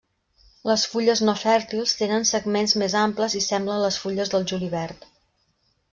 Les fulles no fèrtils tenen segments més amples i semblen les fulles del julivert.